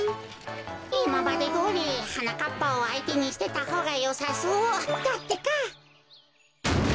いままでどおりはなかっぱをあいてにしてたほうがよさそうだってか。